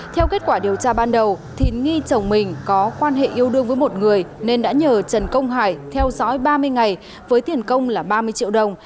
theo kết quả điều tra ban đầu thì nghi chồng mình có quan hệ yêu đương với một người nên đã nhờ trần công hải theo dõi ba mươi ngày với tiền công là ba mươi triệu đồng